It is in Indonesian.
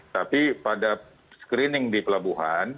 tapi pada screening di pelabuhan